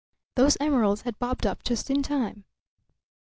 Those emeralds had bobbed up just in time.